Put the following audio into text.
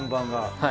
はい。